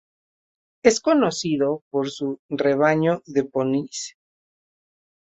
Es conocido por su rebaño de Ponis.